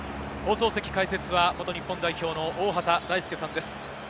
解説は元日本代表の大畑大介さんです。